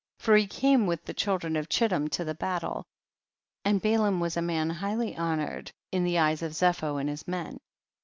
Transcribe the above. for he came with the children of Chittim to ihe battle, and Balaam was *a man highly honored in the eyes of Zepho and his men.